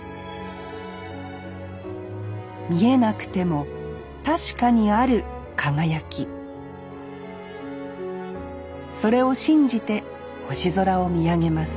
見えなくても確かにある輝きそれを信じて星空を見上げます